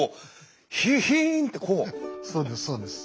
そうですそうです。